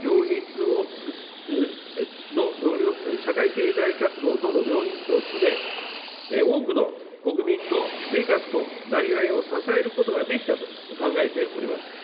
社会経済活動との両立を進め、多くの国民の生活となりわいを支えることができたと考えております。